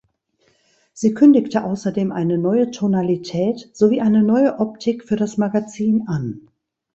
Sie kündigte außerdem eine neue Tonalität sowie eine neue Optik für das Magazin an.